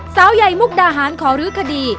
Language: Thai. สาวใหญ่มุกดาหารขอรื้อคดี